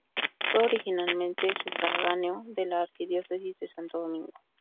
Fue originalmente sufragánea de la Arquidiócesis de Santo Domingo.